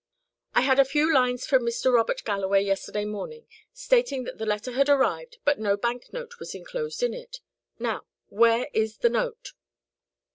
"I had a few lines from Mr. Robert Galloway yesterday morning, stating that the letter had arrived, but no bank note was enclosed in it. Now, where is the note?"